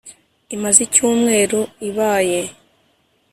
Imaze icyumweru ibaye.